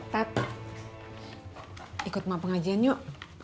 tati ikut sama pengajian yuk